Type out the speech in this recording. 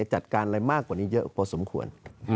จัดการอะไรมากกว่านี้เยอะพอสมควร